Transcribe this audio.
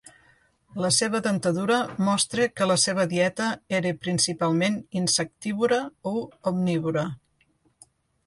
La seva dentadura mostra que la seva dieta era principalment insectívora o omnívora.